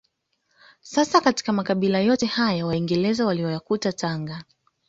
Sasa katika makabila yote haya waingereza waliyoyakuta Tanga